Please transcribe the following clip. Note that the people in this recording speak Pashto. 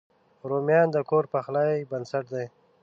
رومیان د کور پخلي بنسټ دی